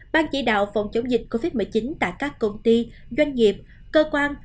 ban chỉ đạo phòng chống dịch covid một mươi chín tại các công ty doanh nghiệp cơ quan